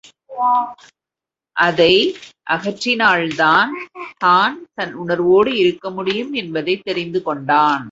அதையகற்றினால்தான் தான் தன் உணர்வோடு இருக்கமுடியும் என்பதைத் தெரிந்து கொண்டான்.